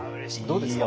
どうですか？